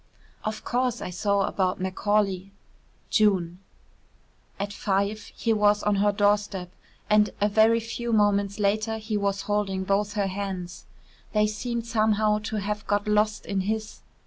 "Of course I saw about Macaulay. June." At five he was on her doorstep, and a very few moments later he was holding both her hands. They seemed somehow to have got lost in his.